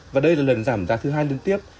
và đây là lần giảm giá thứ hai liên tiếp